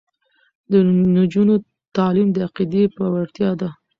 د نجونو تعلیم د عقیدې پیاوړتیا ده.